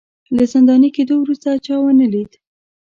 له زنداني کېدو وروسته چا ونه لید